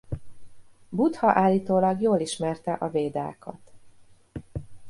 Buddha állítólag jól ismerte a Védákat.